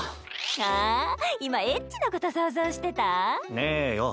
ああ今エッチなこと想像してた？ねぇよ。